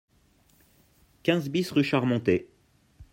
quinze BIS rue Charmontet